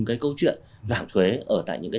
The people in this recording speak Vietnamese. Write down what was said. cái câu chuyện giảm thuế ở tại những cái